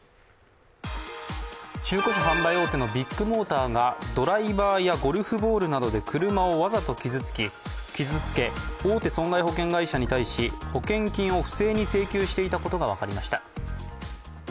中古車販売大手のビッグモーターがドライバーやゴルフボールなどで車をわざと傷つけ、大手損害保険会社に対し保険金を不正に請求していたことが分かりました。